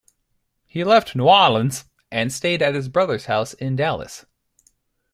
He left New Orleans and stayed at his brother's house in Dallas.